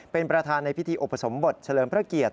เป็นประธานในพิธีอุปสมบทเฉลิมพระเกียรติ